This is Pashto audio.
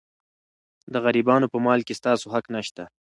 د غریبانو په مال کې ستاسو حق نشته.